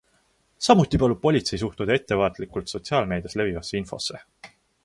Samuti palub politsei suhtuda ettevaatlikult sotsiaalmeedias levivasse infosse.